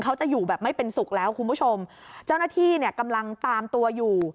เขาจะอยู่แบบไม่เป็นสุขแล้วคุณผู้ชมเจ้าหน้าที่เนี่ยกำลังตามตัวอยู่